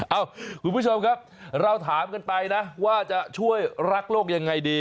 เอ้าคุณผู้ชมครับเราถามกันไปนะว่าจะช่วยรักโลกยังไงดี